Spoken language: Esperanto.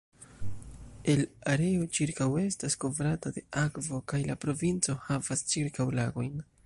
El areo ĉirkaŭ estas kovrata de akvo kaj la provinco havas ĉirkaŭ lagojn.